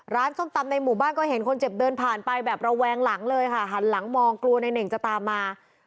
ส้มตำในหมู่บ้านก็เห็นคนเจ็บเดินผ่านไปแบบระแวงหลังเลยค่ะหันหลังมองกลัวในเน่งจะตามมา